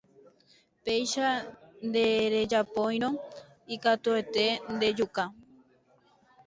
Péicha nderejapóirõ ikatuete ndejuka